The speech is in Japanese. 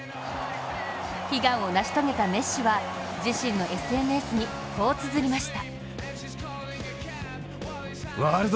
悲願を成し遂げたメッシは自身のＳＮＳにこうつづりました。